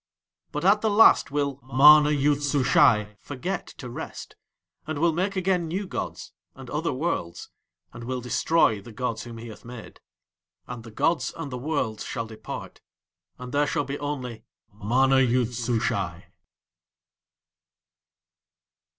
But at the Last will MANA YOOD SUSHAI forget to rest, and will make again new gods and other worlds, and will destroy the gods whom he hath made. And the gods and the worlds shall depart, and there shall be only MANA YOOD SUSHAI.